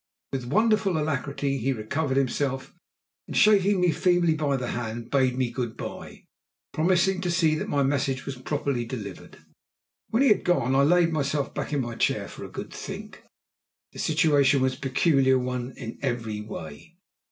With wonderful alacrity he recovered himself and, shaking me feebly by the hand, bade me good bye, promising to see that my message was properly delivered. When he had gone I laid myself back in my chair for a good think. The situation was a peculiar one in every way.